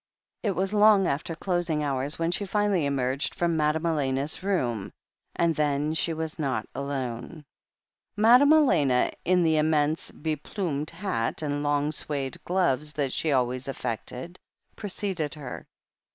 It was long after closing hours when she finally emerged from Madame Elena's room, and then she was not alone. 136 THE HEEL OF ACHILLES Madame Elena, in the immmse be pfamied hat and long suede gloves that she always affected, preceded her.